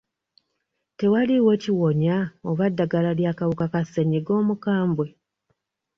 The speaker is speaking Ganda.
Tewaliwo kiwonya oba ddagala ly'akawuka ka ssenyiga omukambwe.